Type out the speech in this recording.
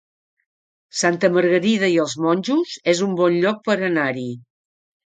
Santa Margarida i els Monjos es un bon lloc per anar-hi